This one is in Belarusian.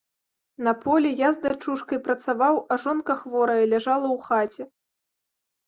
На полі я з дачушкай працаваў, а жонка хворая ляжала ў хаце.